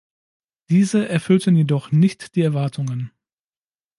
Diese erfüllten jedoch nicht die Erwartungen.